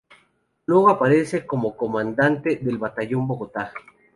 Luego aparece como comandante del Batallón Bogotá.